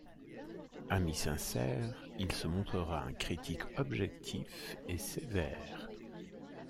Ami sincère, il se montrera un critique objectif et sévère.